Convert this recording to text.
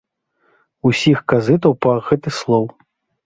Усіх казытаў пах гэтых слоў.